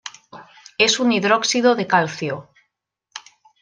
Es un hidróxido de calcio.